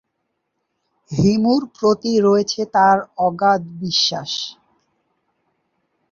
হিমুর প্রতি রয়েছে তার অগাধ বিশ্বাস।